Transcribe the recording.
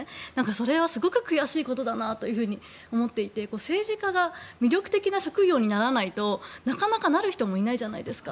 それはすごく悔しいことだなと思っていて、政治家が魅力的な職業にならないとなかなかなる人もいないじゃないですか。